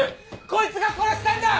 こいつが殺したんだ！